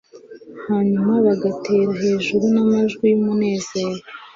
Hanyuma bagatera hejuru n'amajwi y'umunezero